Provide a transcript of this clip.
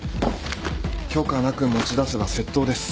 許可なく持ち出せば窃盗です。